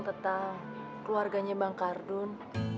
tentang keluarganya bang kardun